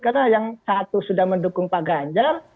karena yang satu sudah mendukung pak ganjar